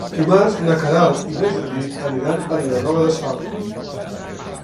Dimarts na Queralt i na Judit aniran a Vilanova de Sau.